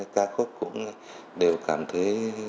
ca khúc cũng đều cảm thấy